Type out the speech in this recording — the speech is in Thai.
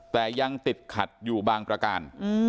แต่ยังติดขัดอยู่บางประการ